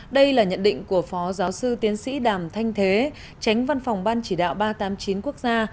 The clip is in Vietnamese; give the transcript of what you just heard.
đây là nhận định của phó giáo sư tiến sĩ đàm thanh thế tránh văn phòng ban chỉ đạo ba trăm tám mươi chín quốc gia